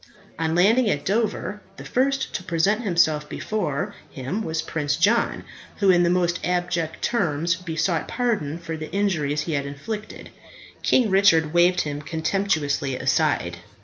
On landing at Dover, the first to present himself before him was Prince John, who, in the most abject terms besought pardon for the injuries he had inflicted. King Richard waved him contemptuously aside.